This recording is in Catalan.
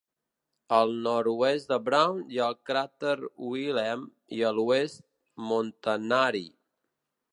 Al nord-oest de Brown hi ha el cràter Wilhelm, i a l'oest, Montanari.